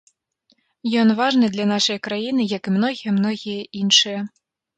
Ён важны для нашай краіны як і многія-многія іншыя.